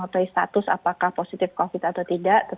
karena tidak mengerti status apakah positif covid atau tidak